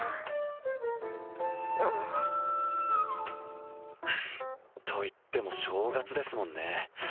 うんといっても正月ですもんね